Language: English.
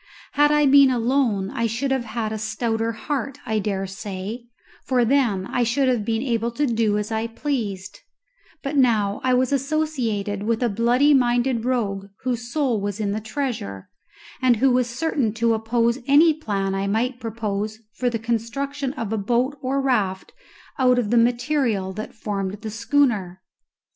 Had I been alone I should have had a stouter heart, I dare say, for then I should have been able to do as I pleased; but now I was associated with a bloody minded rogue whose soul was in the treasure, and who was certain to oppose any plan I might propose for the construction of a boat or raft out of the material that formed the schooner.